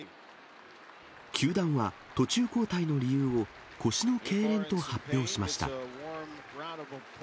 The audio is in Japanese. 球団は途中交代の理由を、腰のけいれんと発表しました。